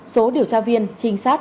số điều tra viên trinh sát